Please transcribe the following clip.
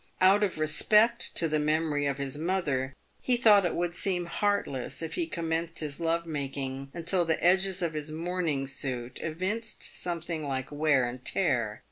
Out of respect to the memory of his mother, he thought it would seem heartless, if he commenced his love making until the edges of his mourning suit evinced something like wear and tear.